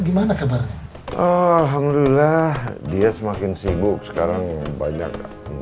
gimana kabarnya alhamdulillah dia semakin sibuk sekarang banyak